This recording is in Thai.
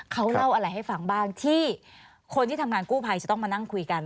เขาเล่าอะไรให้ฟังบ้างที่คนที่ทำงานกู้ภัยจะต้องมานั่งคุยกัน